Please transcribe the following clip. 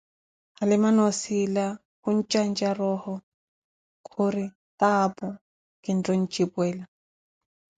Halima noo ossila khuntjantja roho, khuri taapoh kinttha ontjipwela